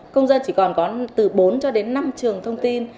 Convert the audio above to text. công dân chỉ còn có từ bốn cho đến năm trường thông tin